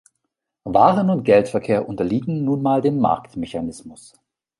Waren- und Geldverkehr unterliegen nun mal dem Marktmechanismus.